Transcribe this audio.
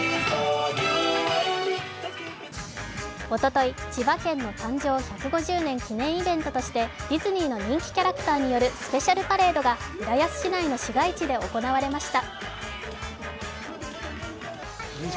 おととい、千葉県の誕生１５０年記念イベントとしてディズニーの人気キャラクターによるスペシャルパレードが浦安市内の市街地で行われました。